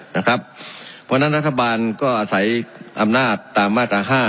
เพราะฉะนั้นรัฐบาลก็อาศัยอำนาจตามมาตรา๕